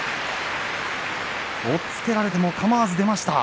押っつけられてもかまわず出ました。